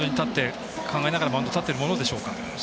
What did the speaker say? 考えながらマウンドに立っているものでしょうか。